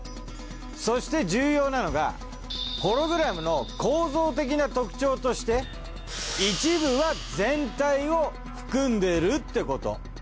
そして重要なのがホログラムの構造的な特徴として一部は全体を含んでるってこと。